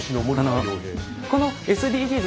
このＳＤＧｓ